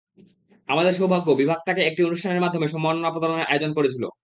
আমাদের সৌভাগ্য, বিভাগ তাঁকে একটি অনুষ্ঠানের মাধ্যমে সম্মাননা প্রদানের আয়োজন করেছিল।